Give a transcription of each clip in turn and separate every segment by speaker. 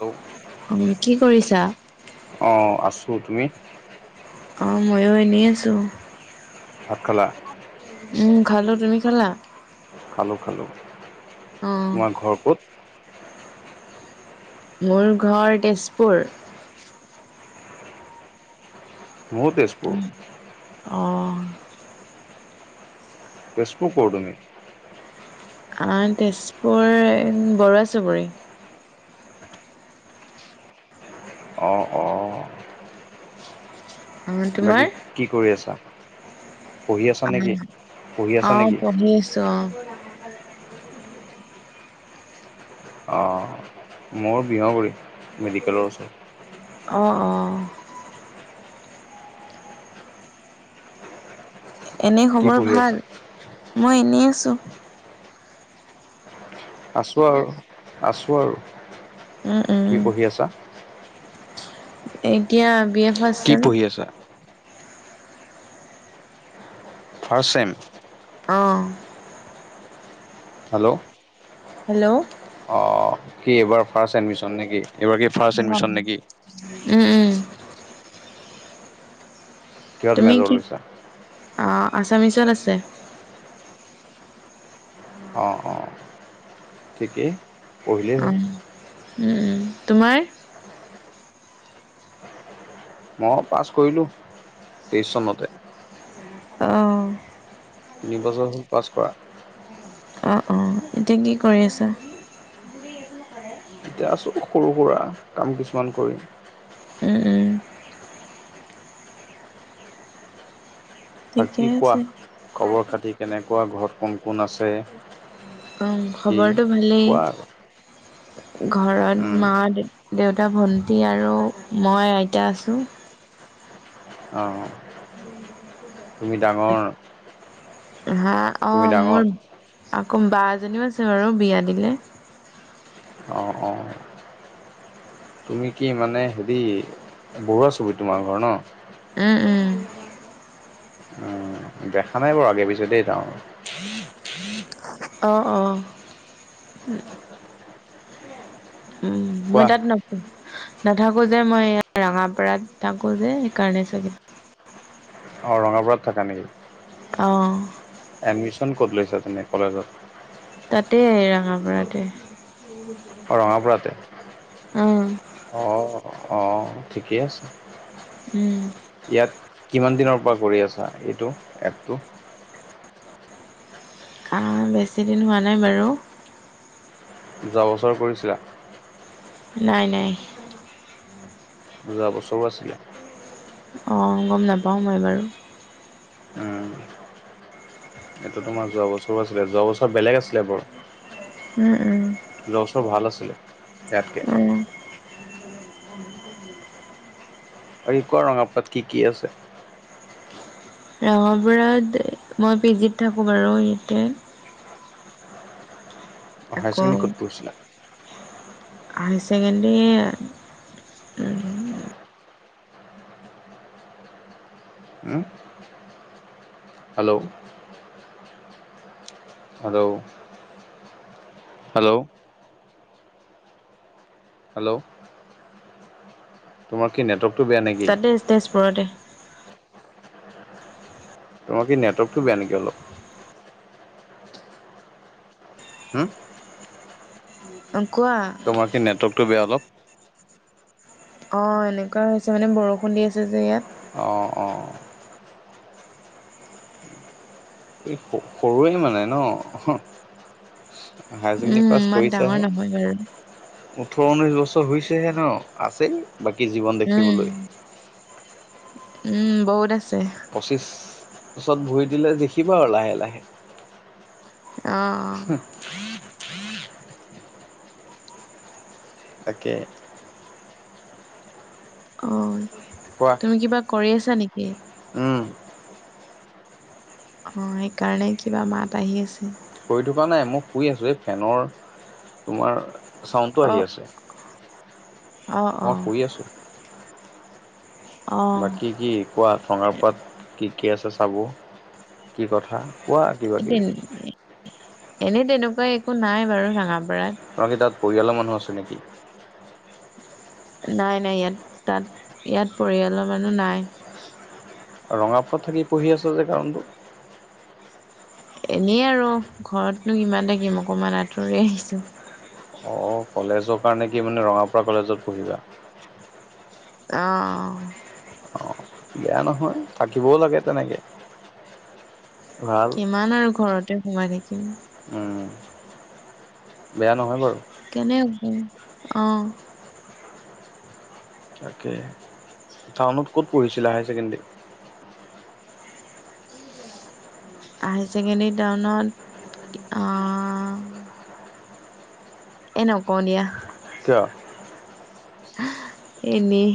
Speaker 1: Hello
Speaker 2: উ কি কৰিছা?
Speaker 1: অ আছো তুমি।
Speaker 2: অঁ ময়ো এনেই আছোঁ।
Speaker 1: ভাত খালা?
Speaker 2: উম খালো, তুমি খালা?
Speaker 1: খালোঁ খালোঁ,
Speaker 2: অ
Speaker 1: তোমাৰ ঘৰ ক'ত?
Speaker 2: মোৰ ঘৰ তেজপুৰ।
Speaker 1: মোৰো তেজ
Speaker 2: অহ।
Speaker 1: তেজপুৰ কৰ তুমি?
Speaker 2: আহ তেজপুৰ বৰুৱা চুবুৰী।
Speaker 1: অ অ
Speaker 2: অ তোমাৰ?
Speaker 1: বাকী কি কৰি আছা পঢ়ি আছা নেকি, পঢ়ি
Speaker 2: অ
Speaker 1: আছা নেকি?
Speaker 2: পঢ়ি আছোঁ অহ।
Speaker 1: অঁ মৌ [unintelligible]
Speaker 2: অ অ।
Speaker 1: [inaudible]
Speaker 2: এনে
Speaker 1: কি
Speaker 2: খবৰ
Speaker 1: পঢ়ি আছা
Speaker 2: ভাল? মই এনেই আছো।
Speaker 1: আছোঁ আৰু, আছোঁ আৰু।
Speaker 2: উম
Speaker 1: কি
Speaker 2: উম।
Speaker 1: পঢ়ি আছা?
Speaker 2: এতিয়া বি এ ফাষ্ট
Speaker 1: কি পঢ়ি আছা? First same?
Speaker 2: অহ।
Speaker 1: হেল্ল'
Speaker 2: হেল্ল'
Speaker 1: অ কি এইবাৰ ফাৰ্ষ্ট এডমিশন নেকি? এইবাৰ কি ফাৰ্ষ্ট এডমিশ্যন
Speaker 2: অ
Speaker 1: নেকি
Speaker 2: উম উম।
Speaker 1: কিহত
Speaker 2: তুমি
Speaker 1: মেজৰ
Speaker 2: কি,
Speaker 1: লৈছা
Speaker 2: অ আছামিছত আছে।
Speaker 1: অঁ অঁ ঠিকেই। পঢ়িলেই হ'ল
Speaker 2: অঁ উম উম তোমাৰ?
Speaker 1: মই পাছ কৰিলো তেইশ চনতে
Speaker 2: অ।
Speaker 1: তিনি বছৰ হ'ল পাছ কৰা
Speaker 2: অ অ এতিয়া কি কৰি আছা
Speaker 1: এতিয়া আছোঁ সৰু সুৰা কাম কিছুমান কৰি
Speaker 2: উম, উম, ঠিকে
Speaker 1: বাকি কোৱা
Speaker 2: আছে।
Speaker 1: খবৰ খাতি কেনেকুৱা ঘৰত কোন কোন আছে
Speaker 2: অ
Speaker 1: কি
Speaker 2: খবৰটো ভালেই
Speaker 1: কোৱা আৰু
Speaker 2: ঘৰত
Speaker 1: উম
Speaker 2: মা দে দেউতা ভণ্টি আৰু মই আইতা আছোঁ
Speaker 1: অঁ তুমি ডাঙৰ
Speaker 2: হা অ
Speaker 1: তুমি ডাঙৰ
Speaker 2: মোৰ আকৌ বা এজনীও আছে বাৰু বিয়া দিলে
Speaker 1: অঁ অঁ তুমি কি মানে হেৰি বৰুৱা ছবি তোমাৰ ঘৰ ন
Speaker 2: উম, উম,
Speaker 1: উম, দেখা নাই বাৰু আগে পিছে দেই গাৱ
Speaker 2: অ অ উম মই
Speaker 1: কোৱা
Speaker 2: তাত না নাথাকো যে মই ৰাঙাপাৰাত থাকো যে সেইকাৰণে চাগে
Speaker 1: অ ৰঙাপাৰাত থাকা নিকি
Speaker 2: অঁ
Speaker 1: এডমিশন ক'ত লৈছা তুমি কলেজত
Speaker 2: তাতে ৰাঙাপাৰাতে
Speaker 1: অঁ ৰঙাপৰাতে
Speaker 2: উম,
Speaker 1: অ অঁ ঠিকেই আছে
Speaker 2: উম
Speaker 1: ইয়াত কিমান দিনৰ পৰা কৰি আছা এইটো এপটো
Speaker 2: আহ, বেছি দিন হোৱা নাই বাৰু
Speaker 1: যোৱা বছৰ কৰিছিলা
Speaker 2: নাই নাই
Speaker 1: যোৱা বছৰো আছিলে
Speaker 2: অঁ গম নাপাওঁ মই বাৰু
Speaker 1: উম এইটো তোমাৰ যোৱা বছৰো আছিলে যোৱা বছৰ বেলেগ আছিলে বাৰু
Speaker 2: উম উম
Speaker 1: যোৱা বছৰ ভাল আছিলে ইয়াতকে আৰু কোৱা ৰঙাপাৰত কি কি আছে
Speaker 2: ৰঙাপাৰাত মই পি জিত থাকোঁ বাৰু ইয়াতে
Speaker 1: হায়াৰ
Speaker 2: আকৌ
Speaker 1: ছেকেণ্ডেৰী ক'ত পঢ়িছিলা
Speaker 2: হাই চেকেণ্ডী উম
Speaker 1: উম হেল্ল' হেল্ল হেল্ল' হেল্ল' তোমাৰ কি নেটৱৰ্কটো বেয়া নেকি
Speaker 2: তাতে তেজপুৰতে
Speaker 1: তোমাৰ কি নেটৱৰ্কটো বেয়া নেকি অলপ হুম
Speaker 2: উম কোৱা
Speaker 1: তোমাৰ কি নেটৱকৰ্টো বেয়া অলপ
Speaker 2: অঁ এনেকুৱা হৈছে মানে বৰষুণ দি আছে যে ইয়াত
Speaker 1: অঁ অঁ এই সৰুৱেই মানে ন হাই ছেকেণ্ডৰী
Speaker 2: উম
Speaker 1: পাছ
Speaker 2: ইমান ডাঙৰ
Speaker 1: কৰিছাহে
Speaker 2: নহয় বাৰু
Speaker 1: ওঠৰ ঊনৈছ বছৰ হৈছেহে ন আছেই বাকী জীৱন
Speaker 2: উম
Speaker 1: দেখিবলৈ
Speaker 2: উম বহুত আছে
Speaker 1: পঁচিছত ভৰি দিলে জিকিভ আৰু লাহে লাহে
Speaker 2: অ
Speaker 1: [unintelligible] তাকে
Speaker 2: অ
Speaker 1: কোৱা
Speaker 2: তুমি কিবা কৰি আছা নেকি
Speaker 1: উম
Speaker 2: অঁ সেইকাৰণে কিবা মাত আহি আছে
Speaker 1: কৰি থকা নাই মই শুই আছোঁ এই ফেনৰ তোমাৰ চাউণ্ডটো
Speaker 2: অ
Speaker 1: আহি আছে
Speaker 2: অ অ
Speaker 1: মই শুই আছোঁ
Speaker 2: অ
Speaker 1: বাকী কি কোৱা টঙাৰ পাত কি কি আছে চাব কি কথা কোৱা কিবা কিবি
Speaker 2: এনেই তেনেকুৱা একো নাই বাৰু ৰাঙাপাৰাত
Speaker 1: তোমাৰ কি তাত পৰিয়ালৰ মানুহ আছে নেকি
Speaker 2: নাই নাই ইয়াত তাত ইয়াত পৰিয়ালৰ মানুহ নাই
Speaker 1: ৰঙাপাৰত থাকি পঢ়ি আছা যে কাৰণটো
Speaker 2: এনেই আৰু ঘৰতনো কিমান থাকিম অকণমান আঁতৰি আহিছোঁ
Speaker 1: অ কলেজৰ কাৰণে কি মানে ৰঙাপাৰা কলেজত পঢ়িবা
Speaker 2: অঁ
Speaker 1: বেয়া নহয় থাকিবও লাগে তেনেকে ভাল
Speaker 2: কিমান আৰু ঘৰতে সোমাই থাকিম
Speaker 1: উম বেয়া নহয় বাৰু
Speaker 2: কেনে গল অ
Speaker 1: তাকে টাউনত ক'ত পঢ়িছিলা হাই ছেকেণ্ডেৰী
Speaker 2: হাই ছেকেণ্ডেৰী টাউনত আ এ নকওঁ দিয়া
Speaker 1: কিয়
Speaker 2: এনেই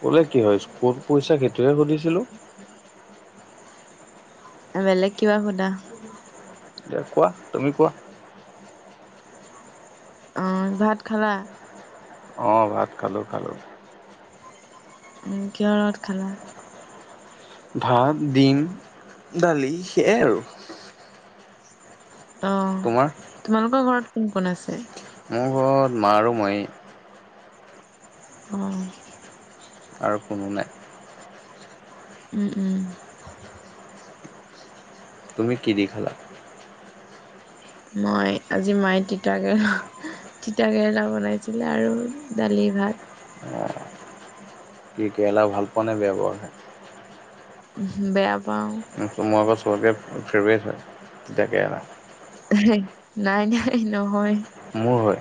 Speaker 1: কলে কি হয় ক'ত পঢ়িচা সেইটোহে সুধিছিলো
Speaker 2: বেলেগ কিবা সুধা
Speaker 1: কোৱা তুমি কোৱা
Speaker 2: অঁ ভাত খালা
Speaker 1: অঁ ভাত খালোঁ খালোঁ
Speaker 2: কিহৰ লগত খালা
Speaker 1: ভাত ডিম দালি সেইয়াই আৰু
Speaker 2: অ
Speaker 1: তোমাৰ
Speaker 2: তোমালোকৰ ঘৰত কোন কোন আছে
Speaker 1: মোৰ ঘৰত মা আৰু মইয়ে
Speaker 2: অ
Speaker 1: আৰু কোনো নাই
Speaker 2: উম উম
Speaker 1: তুমি কি দি খালা।
Speaker 2: মায়ে আজি মায়ে তিতা কেৰেলা তিতা কেৰেলা বনাইছিলে আৰু দালি ভাত।
Speaker 1: কি কেৰেলা ভাল পোৱা নে বেয়া পোৱা।
Speaker 2: বেয়া পাওঁ।
Speaker 1: মই আকৌ চবকে ফেভৰেট হয় তিতাকেৰেলা।
Speaker 2: সেই নাই নাই নহয়।
Speaker 1: মোৰ হয়।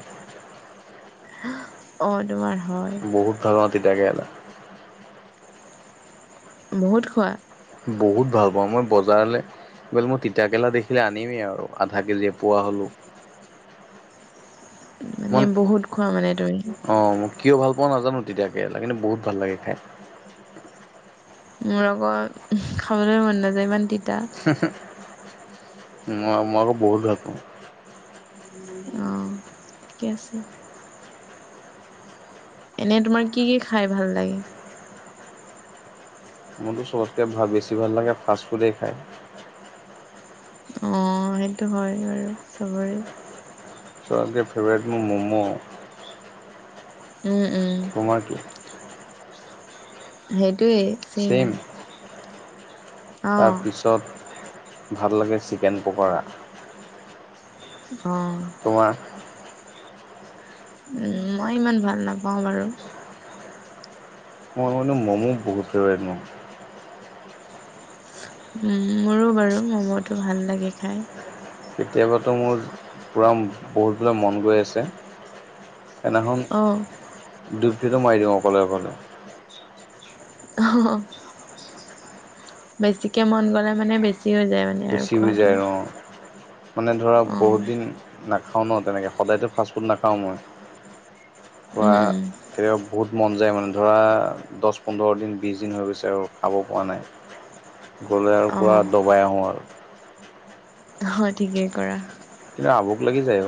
Speaker 2: অঁ তুমাৰ হয়।
Speaker 1: বহুত ভাল পাওঁ তিতাকেৰেলা।
Speaker 2: বহুত শুৱাট।
Speaker 1: বহুত ভাল পাওঁ মই বজাৰলে। [inaudible] মই তিতাকেৰেলা দেখিলে আনিমেই আৰু আধা কেজি বা এক পোৱা হ'লোঁ। [inaudible]
Speaker 2: মানে বহুত খোৱা মানে তুমি
Speaker 1: অ মই কিয় ভাল পোৱা নাজানো তিতাকেৰেলা কিন্তু বহুত ভাল লাগে খাই।
Speaker 2: মোৰ আকৌ খাবলৈ মন নাযায় ইমান তিতা।
Speaker 1: মই মোৰো বহুত ভাল পায়।
Speaker 2: অ ঠিকে আছে। এনেই তোমাৰ কি কি খাই ভাল লাগে।
Speaker 1: মোৰতো চবতকে বেছি ভাল লাগে ফাষ্ট ফুডেই খাই।
Speaker 2: অঁ সেইটো হয় আৰু চবৰে।
Speaker 1: চবতকে ফেভৰেট মোৰ ম'ম'।
Speaker 2: উম উম।
Speaker 1: তোমাৰ কি।
Speaker 2: সেইটোৱেই চেম।
Speaker 1: ছেম।
Speaker 2: অ
Speaker 1: তাৰপিছত ভাল লাগে চিকেন পকৰা।
Speaker 2: অ।
Speaker 1: তোমাৰ।
Speaker 2: উম মই ইমান ভাল নাপাওঁ বাৰু।
Speaker 1: মই মানে মম' বহুত ফেভাৰেট মোৰ।
Speaker 2: মোৰো বাৰু ম'ম'টো ভাল লাগে খাই।
Speaker 1: কেতিয়াবাতো মোৰ পুৰা বহুতবোলে মন গৈ আছে। সেইদিনাখন
Speaker 2: অ',
Speaker 1: দুই প্লেটো মাৰি দিওঁ অকলে অকলে।
Speaker 2: অ। বেছিকে মন গ'লে মানে বেছি হৈ যায়। মানে আৰু
Speaker 1: বেছি হৈ
Speaker 2: খোৱাটো।
Speaker 1: যায় অ। মানে ধৰা বহুত
Speaker 2: অ',
Speaker 1: দিন নাখাওঁ ন তেনেকৈ সদায়তো ফাষ্টফুড নাখাওঁ মই।
Speaker 2: উম,
Speaker 1: ছোৱা
Speaker 2: উম,
Speaker 1: কেতিয়াবা বহুত মন যায় মানে ধৰা। দহ পোন্ধৰ দিন বিশ দিন হৈ গৈছে আৰু খাব পৰা নাই। গ'লে আৰু পূৰা
Speaker 2: অ',
Speaker 1: দবাই আহোঁ আৰু।
Speaker 2: অ', ঠিকেই কৰা।
Speaker 1: কিন্তু আভুক লাগি যায় ঔ।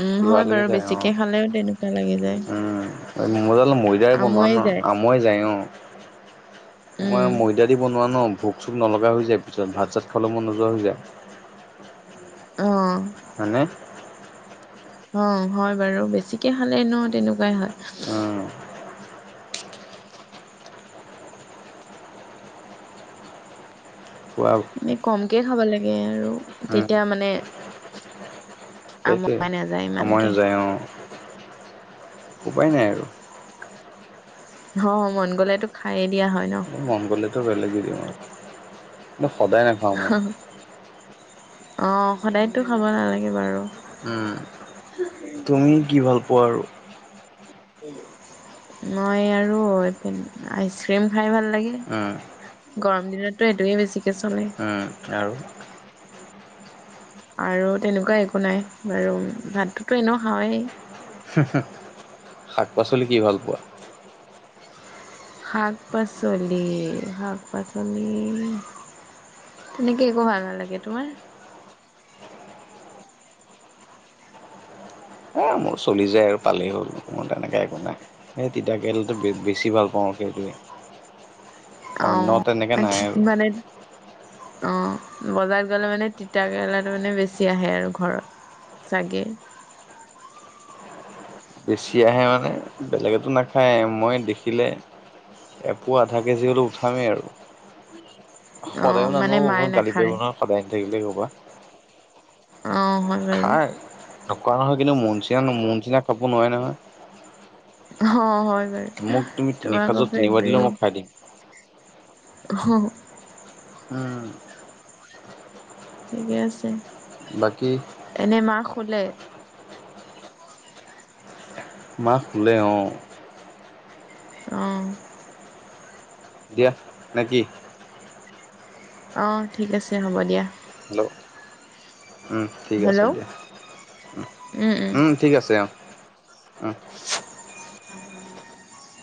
Speaker 2: উম,
Speaker 1: কিব
Speaker 2: হয়
Speaker 1: লাগি
Speaker 2: বাৰু
Speaker 1: যায়
Speaker 2: বেছিকে
Speaker 1: অ',
Speaker 2: খালেও তেনেকুৱা লাগি যায়,
Speaker 1: উম। [inaudible] ময়দাৰে বনোৱা
Speaker 2: আমুৱাই
Speaker 1: ন
Speaker 2: যায়।
Speaker 1: আমুৱাই যায় অ'। তোমাৰ
Speaker 2: উম,
Speaker 1: ময়দা দি বনোৱা ন ভোক চোক নলগা হৈ যায় পিছত ভাত চাত খাবলে মন নোযোৱা হৈ যায়।
Speaker 2: অঁ'।
Speaker 1: হয়নে।
Speaker 2: অ'! হয় বাৰু। বেছিকে খালে এনেও তেনেকুৱাই হয়।
Speaker 1: উম কোৱা
Speaker 2: এনে, কমকে খাব লাগে আৰু।
Speaker 1: উম
Speaker 2: তেতিয়া মানে,
Speaker 1: সেইটোৱে,
Speaker 2: আমুৱাই নাযায় ইমানকে।
Speaker 1: আমোৱাই যায় অ'! উপায় নাই আৰু।
Speaker 2: অ'! মন গ'লেতো খাইয়ে দিয়া হয় ন'।
Speaker 1: মন গ'লেতো, বেলেগে দি দিওঁ আৰু। সদায় নাখাওঁ মই
Speaker 2: [unintelligible] অ'! সদায়টো খাব নালাগে বাৰু।
Speaker 1: উম, তুমি কি ভাল পোৱা আৰু?
Speaker 2: মই আৰু আইচক্ৰীম খাই ভাল লাগে।
Speaker 1: উম।
Speaker 2: গৰম দিনততো, এইটোৱে বেছিকে চলে।
Speaker 1: উম আৰু?
Speaker 2: আৰু তেনেকুৱা একো নাই। বাৰু ভাতটোতো এনেও খাওঁৱেই।
Speaker 1: হোঁ-হোঁ! শাক-পাচলি কি ভাল পোৱা?
Speaker 2: শাক-পাচলি, শাক-পাচলি তেনেকে, একো ভাল নালাগে। তোমাৰ?
Speaker 1: এ মোৰ চলি যায় আৰু পালেই হ'ল। মোৰ তেনেকোৱা একো নাই। এই তিতা কেৰেলটো, বে-বেছি ভাল পাওঁ! সেইটোৱে। অন্য
Speaker 2: অ'!
Speaker 1: তেনেকে নাই
Speaker 2: বাকী
Speaker 1: আৰু।
Speaker 2: মানে, অ'! বজাৰত গ'লে মানে, তিতা কেৰেলাটো মানে, বেছি আহে আৰু ঘৰত। চাগে।
Speaker 1: বেছি আহে মানে, বেলেগতো নাখায়। মই দেখিলে এপোৱা, আধা কেজি হ'লেও, উঠামেই আৰু।
Speaker 2: অ'
Speaker 1: সদায়ও নানো
Speaker 2: মানে
Speaker 1: আৰু।
Speaker 2: মায়ে
Speaker 1: ঘৰত গালি পাৰিব
Speaker 2: নাখায়।
Speaker 1: নহয়, সদায় আনি থাকিলে সেইসোপা।
Speaker 2: অ'! হয়। বাৰু
Speaker 1: খায়। নোখোৱা নহয়, কিন্তু মোৰ নিচিনা, মোৰ নিচিনা খাব নোৱাৰে নহয়।
Speaker 2: অ'! হয় বাৰু
Speaker 1: মোক তুমি তিনি
Speaker 2: তোমাৰ আকৌ,
Speaker 1: সাঁজত তিনিবাৰ দিলেও মই
Speaker 2: ফেভৰেট।
Speaker 1: খাই দিম।
Speaker 2: [unintelligible]
Speaker 1: উম।
Speaker 2: ঠিকে আছে।
Speaker 1: বাকী?
Speaker 2: এনে মা শুলে?
Speaker 1: মা শুলে, অ'!
Speaker 2: অ'!
Speaker 1: দিয়া, নে কি?
Speaker 2: অ'! ঠিক আছে, হ'ব দিয়া।
Speaker 1: হেল্ল'? উম, ঠিক
Speaker 2: হেল্ল'
Speaker 1: আছে দিয়া। উম, উম। ঠিক আছে, অ'! উম।